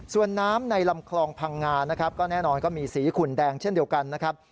ส่วนน้ำในลำคลองพังงานะครับก็แน่นอนก็มีสีขุนแดงเช่นเดียวกันนะครับ